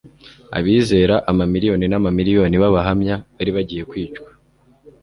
Abizera amamiliyoni n'amamiliyoni b'abahamya bari bagiye kwicwa.